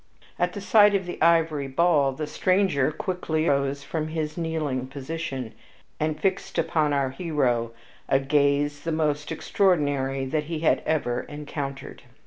At the sight of the ivory ball the stranger quickly arose from his kneeling posture and fixed upon our hero a gaze the most extraordinary that he had ever encountered.